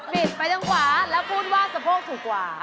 ไปทางขวาแล้วพูดว่าสะโพกถูกกว่า